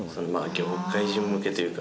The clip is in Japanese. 業界人向けというか。